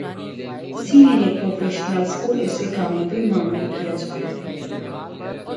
اسی لیے پروفیشنلز کو ایسے کاموں پہ مامور کیا جاتا ہے۔